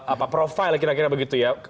apa profil kira kira begitu ya